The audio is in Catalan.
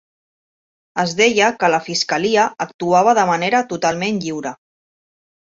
Es deia que la fiscalia actuava de manera totalment lliure